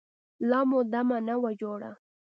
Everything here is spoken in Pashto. لا مو دمه نه وه جوړه.